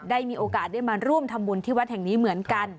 ได้มีโอกาสได้มาร่วมทำบุญที่วัดแห่งนี้เหมือนกัน